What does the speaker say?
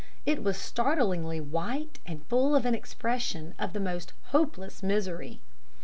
It was startlingly white and full of an expression of the most hopeless misery.